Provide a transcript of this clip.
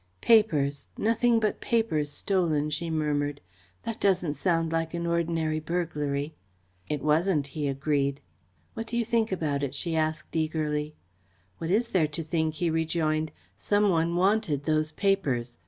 "Papers nothing but papers stolen," she murmured. "That doesn't sound like an ordinary burglary." "It wasn't," he agreed. "What do you think about it?" she asked eagerly. "What is there to think?" he rejoined. "Some one wanted those papers.